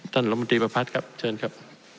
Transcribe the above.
ท่านหลังมาดีประพัดภาคท์ครับเชิญครับ